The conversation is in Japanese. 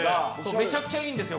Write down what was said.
めちゃくちゃいいんですよ